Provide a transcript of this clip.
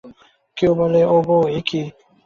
কেউ বলে, ও বৌ, একি?